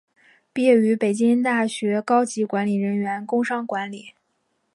毕业于北京大学高级管理人员工商管理。